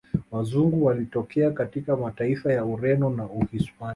Wazungu walitokea katika mataifa ya Ureno na uhispania